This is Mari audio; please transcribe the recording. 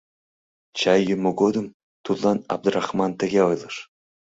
Чай йӱмӧ годым тудлан Абдрахман тыге ойлыш: